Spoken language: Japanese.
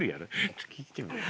ちょっと聞いてみ？